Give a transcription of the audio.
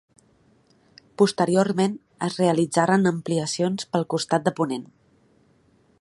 Posteriorment es realitzaren ampliacions pel costat de ponent.